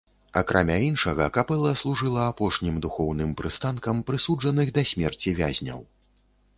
Акрамя іншага, капэла служыла апошнім духоўным прыстанкам прысуджаных да смерці вязняў.